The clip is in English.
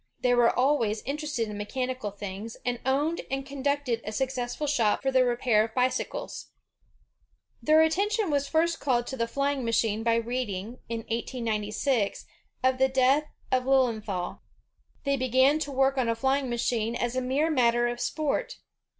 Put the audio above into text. They were always interested in mechanical things, and owned and conducted a successful shop for the repair of bicycles. 1^ ^y^i'—. Z ^ V ^^^~" Their attention was first called to the flying machine by reading, in 1896, of the death of Lilienthal. They began to work on a flying machine as a mere matter of sport.